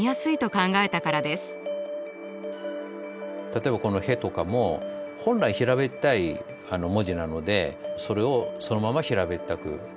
例えばこの「へ」とかも本来平べったい文字なのでそれをそのまま平べったくデザインするとか。